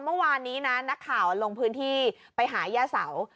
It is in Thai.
เมื่อวานนี้นะนักข่าวลงพื้นที่ไปหาย่าเสา